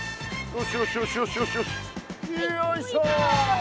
よいしょ！